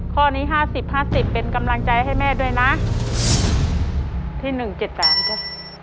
ข้อนี้ห้าสิบห้าสิบเป็นกำลังใจให้แม่ด้วยนะที่หนึ่งเจ็ดสามจ้ะ